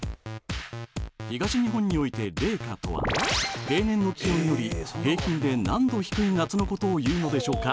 東日本において冷夏とは平年の気温より平均で何℃低い夏のことをいうのでしょうか？